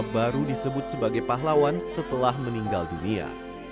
baru disebut sebagai pahlawan setelah meninggal dunia